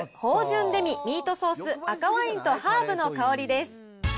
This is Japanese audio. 芳醇デミミートソース赤ワインとハーブの香りです。